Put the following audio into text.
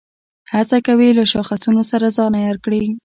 هڅه کوي له شاخصونو سره ځان عیار کړي.